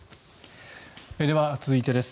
では、続いてです。